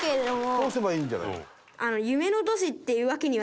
通せばいいんじゃないの？